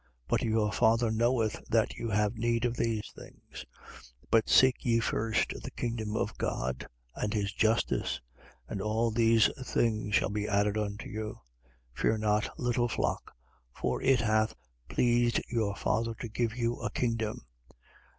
But your Father knoweth that you have need of these things. 12:31. But seek ye first the kingdom of God and his justice: and all these things shall be added unto you. 12:32. Fear not, little flock, for it hath pleased your Father to give you a kingdom.